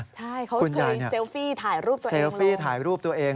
ใช่คุณยายคือเซลฟี่ถ่ายรูปตัวเอง